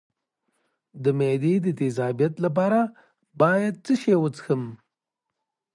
د معدې د تیزابیت لپاره باید څه شی وڅښم؟